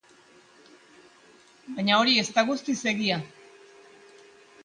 Baina hori ez da guztiz egia.